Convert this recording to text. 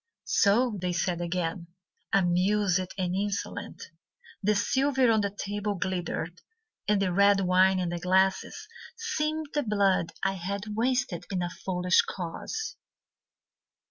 "So..." they said again, Amused and insolent. The silver on the table glittered, And the red wine in the glasses Seemed the blood I had wasted In a foolish cause.